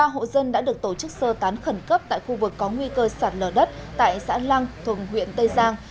một mươi ba hộ dân đã được tổ chức sơ tán khẩn cấp tại khu vực có nguy cơ sạt lở đất tại xã lăng thuận huyện tây giang